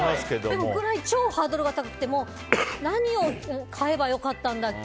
そのくらい超ハードルが高くて何を買えばよかったんだっけ